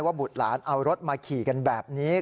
บุตรหลานเอารถมาขี่กันแบบนี้